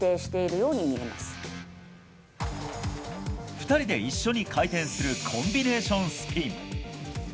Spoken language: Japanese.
２人で一緒に回転するコンビネーションスピン。